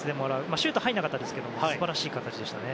シュートは入らなかったですが素晴らしい形ですね。